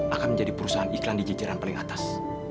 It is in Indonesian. akan menjadi perusahaan iklan di cicilan paling atas